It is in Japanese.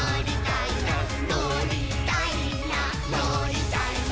「のりたいなのりたいな」